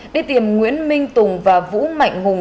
đi tìm nguyễn minh tùng và vũ mạnh hùng